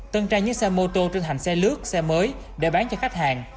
tân trai những xe mô tô trên hành xe lướt xe mới để bán cho khách hàng